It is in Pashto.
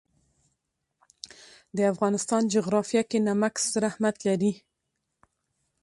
د افغانستان جغرافیه کې نمک ستر اهمیت لري.